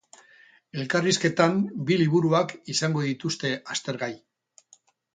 Elkarrizketan bi liburuak izango dituzte aztergai.